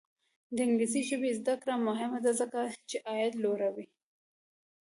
د انګلیسي ژبې زده کړه مهمه ده ځکه چې عاید لوړوي.